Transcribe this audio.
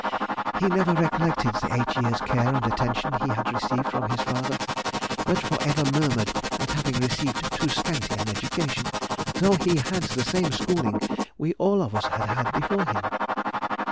[Sidenote: 1827. Letter to her Nephew.] He never recollected the eight years' care and attention he had received from his father, but for ever murmured at having received too scanty an education, though he had the same schooling we all of us had had before him.